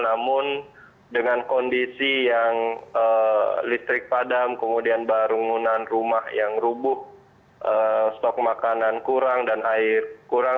namun dengan kondisi yang listrik padam kemudian barungunan rumah yang rubuh stok makanan kurang dan air kurang